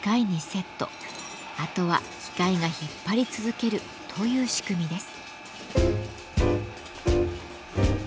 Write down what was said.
あとは機械が引っ張り続けるという仕組みです。